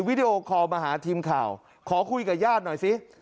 วิดีโอคอลมาหาทีมข่าวขอคุยกับญาติหน่อยสิ